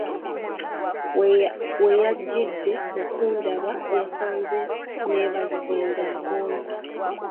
Weyajjidde okundaba yansanze nneebase nga nkooye.